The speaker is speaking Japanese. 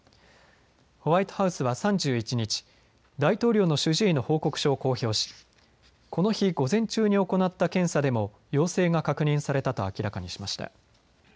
ホワイトハウスは３１日、大統領の主治医の報告書を公表しこの日、午前中に行った検査でも陽性が確認されたと明らかにしました。